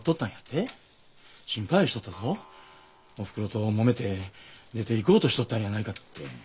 心配しとったぞおふくろともめて出ていこうとしとったんやないかって。